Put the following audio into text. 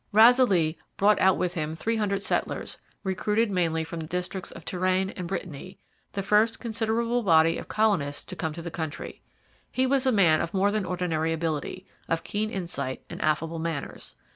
Razilly brought out with him three hundred settlers, recruited mainly from the districts of Touraine and Brittany the first considerable body of colonists to come to the country. He was a man of more than ordinary ability, of keen insight and affable manners.